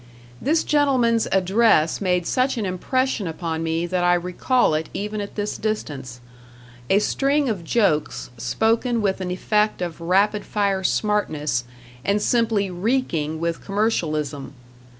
This gentleman's address made such an impression upon me that I recall it even at this distance: a string of jokes spoken with an effect of rapid fire smartness, and simply reeking with commercialism.